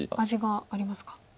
味がありますか。